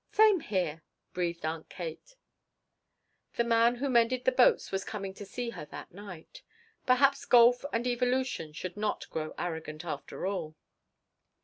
"Same here," breathed Aunt Kate. The man who mended the boats was coming to see her that night. Perhaps golf and evolution should not grow arrogant, after all.